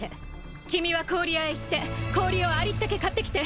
君は氷屋へ行って氷をありったけ買ってきて。